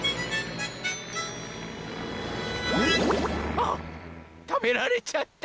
あったべられちゃった！